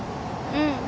うん。